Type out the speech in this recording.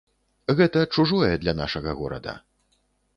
Гэта чужое для нашага горада.